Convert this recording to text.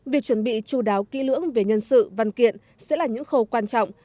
việc chuẩn bị chú đáo kỹ lưỡng về nhân sự văn kiện sẽ là những khâu quan trọng